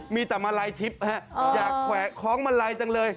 มีแต่มาลัยทิพย์อยากแขวะคล้องมาลัยจังเลย